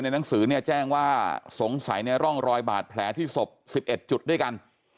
แม่แจ้งว่าสงสัยในร่องรอยบาดแผลที่สบ๑๑จุดด้วยกัน